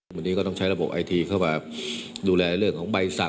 วันนี้ก็ต้องใช้ระบบไอทีเข้ามาดูแลเรื่องของใบสั่ง